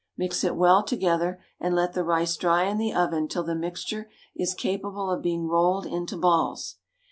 Mix it well together, and let the rice dry in the oven till the mixture is capable of being rolled into balls.